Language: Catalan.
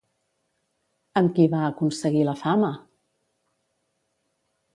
Amb qui va aconseguir la fama?